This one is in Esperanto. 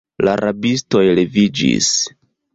La rabistoj leviĝis.